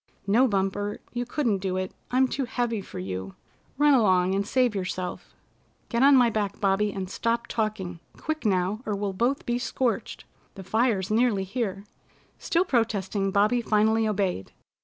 "No, Bumper, you couldn't do it. I'm too heavy for you. Run along and save yourself." "Get on my back, Bobby, and stop talking! Quick now, or we'll both be scorched. The fire's nearly here." Still protesting, Bobby finally obeyed.